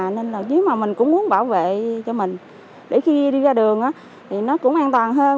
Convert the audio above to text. nên mình cũng muốn bảo vệ cho mình để khi đi ra đường thì nó cũng an toàn hơn